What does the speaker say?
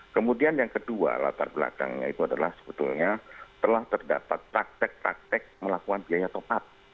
kemudian yang kedua latar belakangnya itu adalah sebetulnya telah terdapat praktek praktek melakukan biaya top up